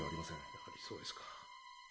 やはりそうですか。